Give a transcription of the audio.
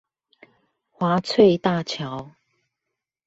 華翠大橋